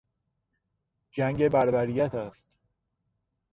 جنگ بربریت است.